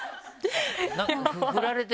振られて。